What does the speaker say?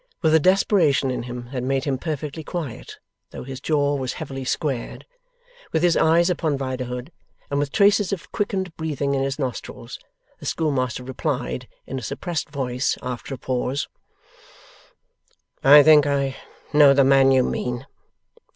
With a desperation in him that made him perfectly quiet, though his jaw was heavily squared; with his eyes upon Riderhood; and with traces of quickened breathing in his nostrils; the schoolmaster replied, in a suppressed voice, after a pause: 'I think I know the man you mean.